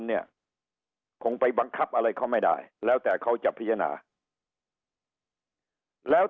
เนี่ยคงไปบังคับอะไรเขาไม่ได้แล้วแต่เขาจะพิจารณาแล้ว